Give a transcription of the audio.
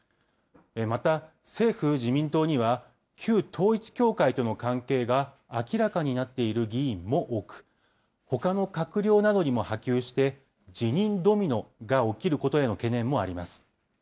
また、政府・自民党には、旧統一教会との関係が明らかになっている議員も多く、ほかの閣僚などにも波及して、辞任ドミノが起きることへの懸念もあります。